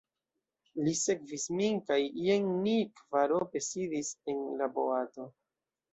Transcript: Li sekvis min kaj jen ni kvarope sidis en la boato.